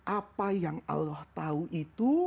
apa yang allah tahu itu